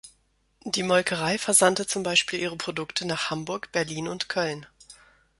Die Molkerei versandte zum Beispiel ihre Produkte nach Hamburg, Berlin und Köln.